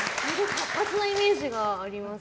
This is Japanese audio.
活発なイメージがあります。